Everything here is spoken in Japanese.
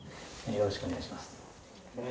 よろしくお願いします。